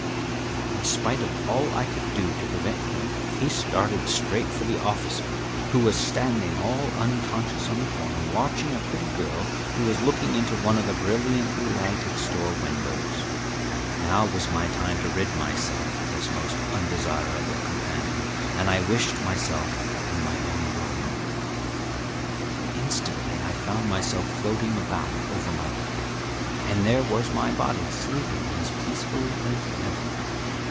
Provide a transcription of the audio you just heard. In spite of all I could do to prevent him he started straight for the officer, who was standing all unconscious on the corner, watching a pretty girl who was looking into one of the brilliantly lighted store windows. Now was my time to rid myself of this most undesirable companion, and I wished myself in my own room. Instantly I found myself floating about over my bed, and there was my body sleeping as peacefully as ever.